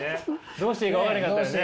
どうしていいか分からへんかったよね。